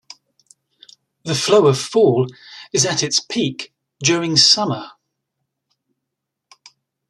The flow of fall is at its peak during summer.